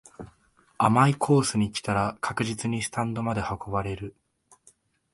甘いコースに来たら確実にスタンドまで運ばれる